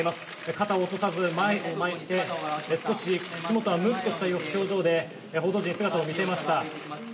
肩を落とさず前を向いて少し口元はむっとした表情で報道陣に姿を見せました。